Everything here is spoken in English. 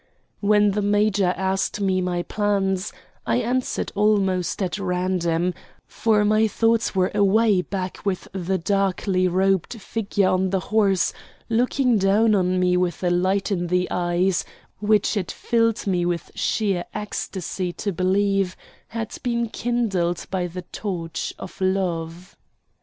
When the major asked me my plans, I answered almost at random, for my thoughts were away back with the darkly robed figure on the horse looking down on me with a light in the eyes which it filled me with sheer ecstasy to believe had been kindled by the torch of love.